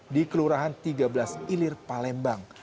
di kelurahan tiga belas ilir palembang